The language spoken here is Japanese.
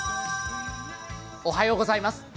おはようございます